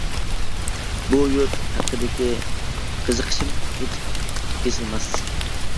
بۇ يۇرت ھەققىدىكى قىزىقىشىم ھېچ بېسىلماس.